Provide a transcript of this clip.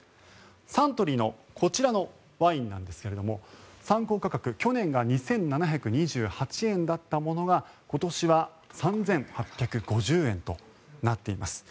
サントリーのこちらのワインなんですが参考価格去年が２７２８円だったものが今年は３８５０円となっています。